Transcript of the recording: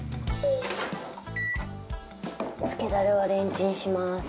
漬けダレはレンチンします。